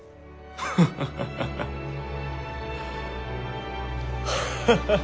ハハハハハ。